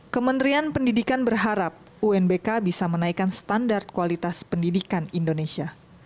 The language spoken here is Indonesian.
kementerian pendidikan berharap unbk bisa menaikkan standar kualitas pendidikan indonesia